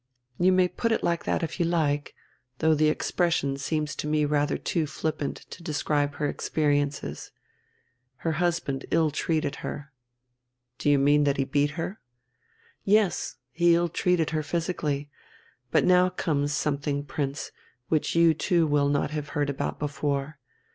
"You may put it like that if you like: though the expression seems to me rather too flippant to describe her experiences. Her husband ill treated her." "Do you mean that he beat her?" "Yes, he ill treated her physically. But now comes something, Prince, which you too will not have heard about before.